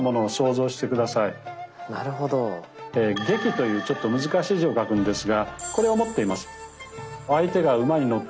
「戟」というちょっと難しい字を書くんですがこれを持っています。